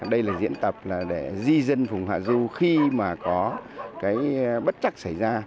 đây là diễn tập để di dân phùng hạ du khi mà có cái bất chắc xảy ra